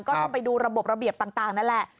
ก็ต้องไปดูระบบระเบียบต่างนั่นแหละ